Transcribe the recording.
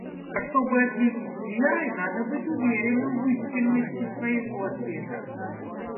А чтобы ответить с верой, надо быть уверенным в истинности своего ответа.